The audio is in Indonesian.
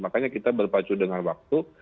makanya kita berpacu dengan waktu